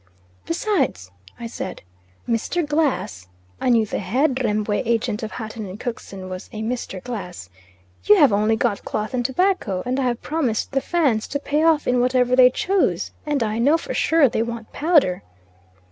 "Besides," I said, "Mr. Glass (I knew the head Rembwe agent of Hatton and Cookson was a Mr. Glass), you have only got cloth and tobacco, and I have promised the Fans to pay off in whatever they choose, and I know for sure they want powder."